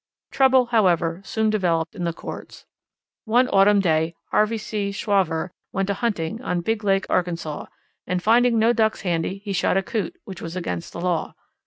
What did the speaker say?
Trouble, however, soon developed in the courts. One autumn day Harvey C. Schauver went a hunting on Big Lake, Arkansas, and finding no Ducks handy he shot a Coot, which was against the law.